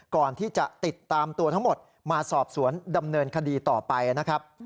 ติดตามตัวทั้งหมดมาสอบสวนดำเนินคดีต่อไปนะครับ